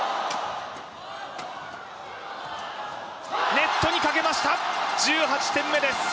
ネットにかけました、１８点目です。